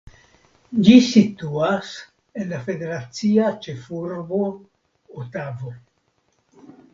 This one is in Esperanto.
Ĝi situas en la federacia ĉefurbo Otavo.